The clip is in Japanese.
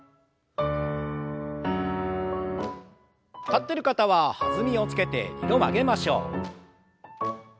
立ってる方は弾みをつけて２度曲げましょう。